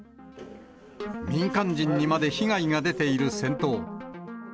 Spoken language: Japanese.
民間人にまで被害が出ている戦闘。